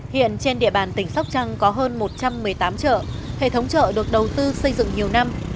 hiện trên địa bàn tỉnh sóc trăng có hơn một trăm một mươi tám chợ hệ thống chợ được đầu tư xây dựng nhiều năm